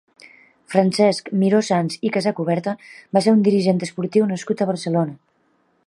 Francesc Miró-Sans i Casacuberta va ser un dirigent esportiu nascut a Barcelona.